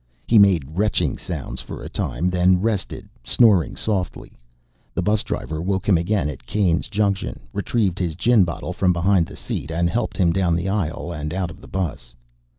He made retching sounds for a time, then rested, snoring softly. The bus driver woke him again at Caine's junction, retrieved his gin bottle from behind the seat, and helped him down the aisle and out of the bus.